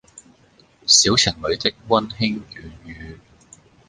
小情侶的溫馨軟語